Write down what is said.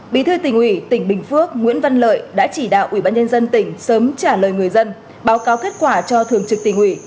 bí thư tỉnh ủy tỉnh bình phước nguyễn văn lợi đã chỉ đạo ủy ban nhân dân tỉnh sớm trả lời người dân báo cáo kết quả cho thường trực tỉnh ủy